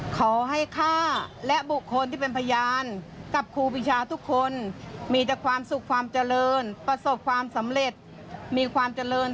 ขอให้ข้าและบุคคลที่เป็นพญานกับครูปรีชาทุกคน